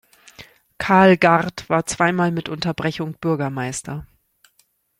Karl Gart war zweimal mit Unterbrechung Bürgermeister.